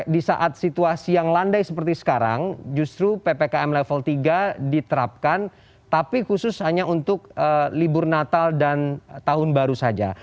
di saat situasi yang landai seperti sekarang justru ppkm level tiga diterapkan tapi khusus hanya untuk libur natal dan tahun baru saja